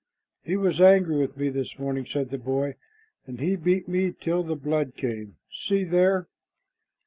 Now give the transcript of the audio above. "He was angry with me this morning," said the boy, "and he beat me till the blood came. See there!"